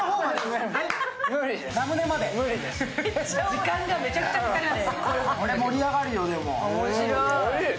時間がめちゃくちゃかかります。